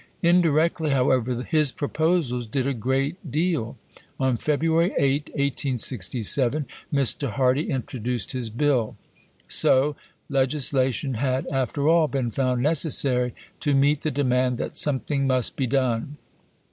Indirectly, however, his proposals did a great deal. On February 8, 1867, Mr. Hardy introduced his Bill. So, legislation had, after all, been found necessary to meet the demand that something must be done.